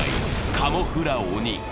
カモフラ鬼。